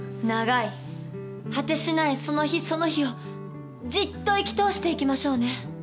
「長い果てしないその日その日をじっと生き通していきましょうね」